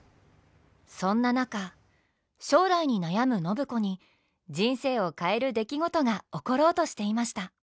そんな中将来に悩む暢子に人生を変える出来事が起ころうとしていました。